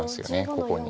ここに。